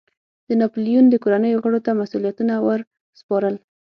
د ناپلیون د کورنیو غړو ته مسوولیتونو ور سپارل.